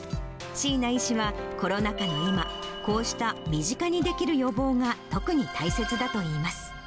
椎名医師は、コロナ禍の今、こうした身近にできる予防が、特に大切だといいます。